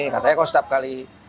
katanya kalau setiap kali